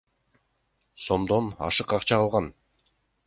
сомдон ашык акча алган.